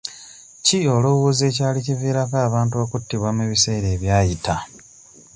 Ki olowooza ekyali kiviirako abantu okuttibwa mu biseera ebyayita?